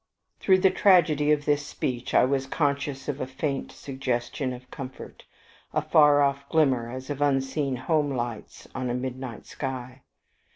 Through the tragedy of this speech I was conscious of a faint suggestion of comfort, a far off glimmer, as of unseen home lights on a midnight sky.